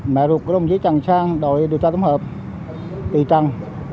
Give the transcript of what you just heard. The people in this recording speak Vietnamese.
mẹ ruột của đồng chí trần sang đòi điều tra tổng hợp tùy trần